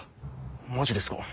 マジですか？